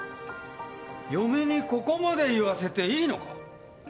嫁にここまで言わせていいのか？